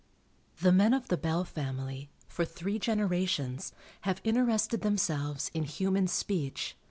The men of the Bell family, for three generations, have interested themselves in human speech.